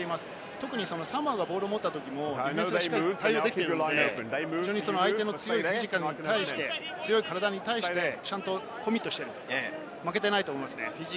特にサモアがボールを持ったときも対応できているので、相手の強いフィジカルに対して、強い体に対してちゃんとコミットしている、負けていないと思いますね。